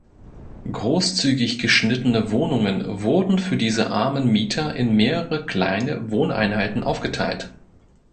Großzügig geschnittene Wohnungen wurden für diese armen Mieter in mehrere kleine Wohneinheiten aufgeteilt.